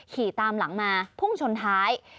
ขี่ตามหลังมาพุ่งชนท้าย